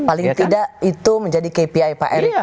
paling tidak itu menjadi kpi pak erick